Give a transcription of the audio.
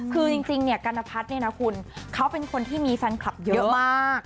คือจริงกัณภัทรเขาเป็นคนที่มีแฟนคลับเยอะมาก